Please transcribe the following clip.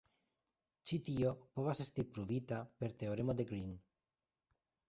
Ĉi tio povas esti pruvita per teoremo de Green.